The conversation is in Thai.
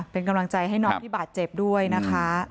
เป็นกำลังใจให้น้องที่บาดเจ็บด้วยนะคะ